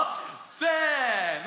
せの！